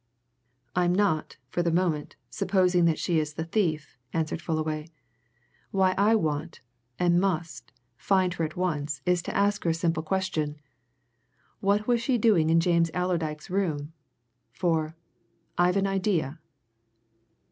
"I'm not for the moment supposing that she is the thief," answered Fullaway. "Why I want and must find her at once is to ask her a simple question. What was she doing in James Allerdyke's room? For I've an idea."